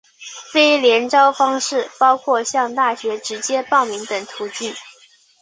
非联招方式包括向大学直接报名等途径。